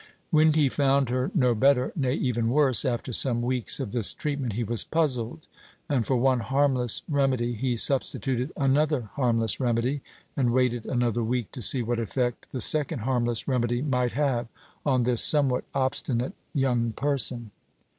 When he found her no better nay, even worse after some weeks of this treatment, he was puzzled; and for one harmless remedy he substituted another harmless remedy, and waited another week to see what effect the second harmless remedy might have on this somewhat obstinate young person.